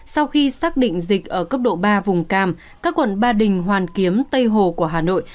sau khi xác định dịch ở cấp độ ba vùng cam các quận ba đình hoàn kiếm tây hồ của hà nội